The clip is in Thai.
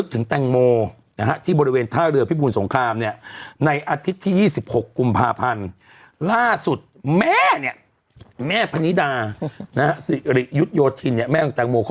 ซื้อให้ตัวเองเราจะไปง้อทำไมค่ะมิ้น